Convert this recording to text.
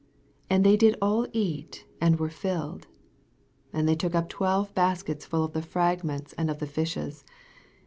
42 And they did all eat, and were filled. 43 And they took up twelve baskets full of the fragments, and of the fishes.